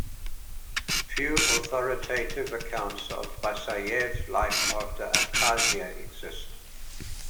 Few authoritative accounts of Basayev's life after Abkhazia exist.